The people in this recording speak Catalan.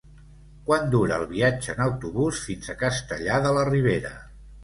Quant dura el viatge en autobús fins a Castellar de la Ribera?